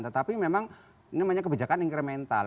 tetapi memang ini namanya kebijakan incremental